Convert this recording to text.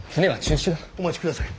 お待ちください。